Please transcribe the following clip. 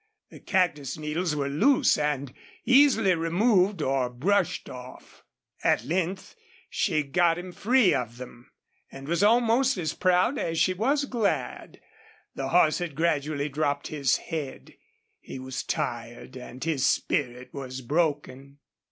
The cactus needles were loose and easily removed or brushed off. At length she got him free of them, and was almost as proud as she was glad. The horse had gradually dropped his head; he was tired and his spirit was broken.